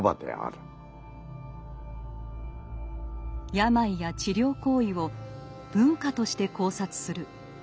病や治療行為を文化として考察する。